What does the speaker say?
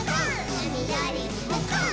うみよりむこう！？」